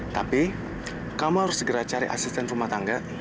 tapi kamu harus segera cari asisten rumah tangga